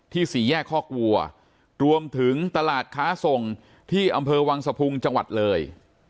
สี่แยกคอกวัวรวมถึงตลาดค้าส่งที่อำเภอวังสะพุงจังหวัดเลย